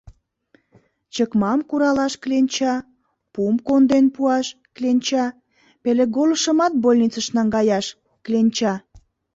Чыкмам куралаш — кленча, пум конден пуаш — кленча, пелеголышымат больницыш наҥгаяш — кленча.